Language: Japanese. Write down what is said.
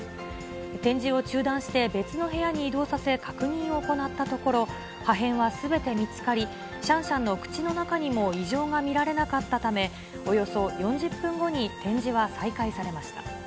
展示を中断して別の部屋に移動させ、確認を行ったところ、破片はすべて見つかり、シャンシャンの口の中にも異常が見られなかったため、およそ４０分後に展示は再開されました。